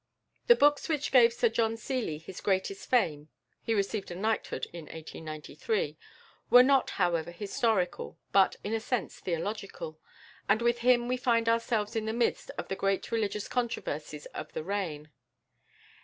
The books which gave Sir John Seeley his greatest fame he received a knighthood in 1893 were not, however, historical, but, in a sense, theological; and with him we find ourselves in the midst of the great religious controversies of the reign.